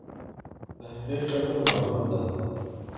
د هغې قبر معلوم دی.